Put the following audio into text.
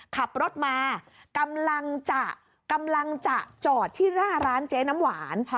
ขับรถมากำลังจะกำลังจะจอดที่หน้าร้านเจ๊น้ำหวาน